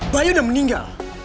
bayu udah meninggal